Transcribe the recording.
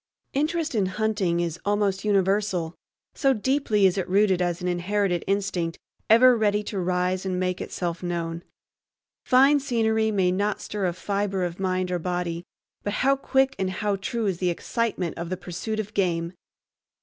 Interest in hunting is almost universal, so deeply is it rooted as an inherited instinct ever ready to rise and make itself known. Fine scenery may not stir a fiber of mind or body, but how quick and how true is the excitement of the pursuit of game!